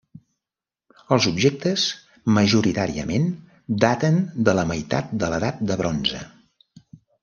Els objectes majoritàriament daten de la meitat de l'edat del bronze.